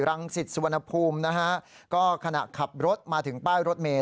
สิทธิ์สุวรรณภูมินะฮะก็ขณะขับรถมาถึงป้ายรถเมย